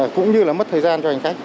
cũng như là mất thời gian cho khách